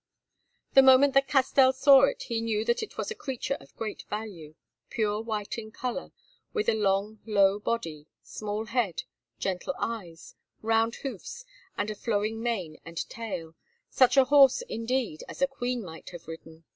The moment that Castell saw it he knew that it was a creature of great value, pure white in colour, with a long, low body, small head, gentle eyes, round hoofs, and flowing mane and tail, such a horse, indeed, as a queen might have ridden.